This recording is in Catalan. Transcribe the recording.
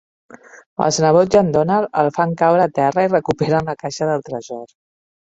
Els nebots i en Donald el fan caure a terra i recuperen la caixa del tresor.